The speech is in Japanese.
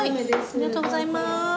ありがとうございます。